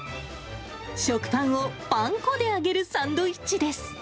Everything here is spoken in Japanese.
食パンをパン粉で揚げるサンドイッチです。